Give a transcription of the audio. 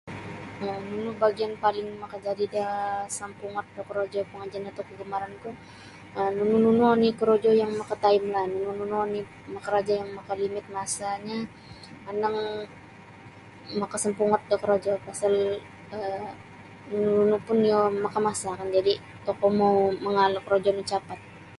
Yang nunu bagian paling makajadi da sampungot da korojo pangajian atau kagamaranku um nunu-nunu oni' korojo yang maka taimlah nunu nunu korojo yang maka limit masanyo ondong makasampungat da korojo pasal nunu nunu pun iyo maka masa kan jadi' tokou mau' mangaal da korojo no capat.